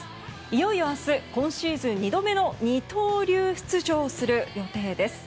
いよいよ明日今シーズン２度目の二刀流出場する予定です。